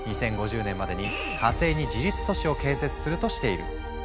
２０５０年までに火星に自立都市を建設するとしている。